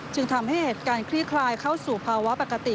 จึงทำให้เหตุการณ์คลี่คลายเข้าสู่ภาวะปกติ